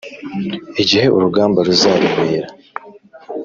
Igihe urugamba ruzaremera